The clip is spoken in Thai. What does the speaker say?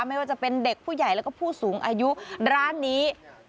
ไม่ว่าจะเป็นเด็กผู้ใหญ่แล้วก็ผู้สูงอายุร้านนี้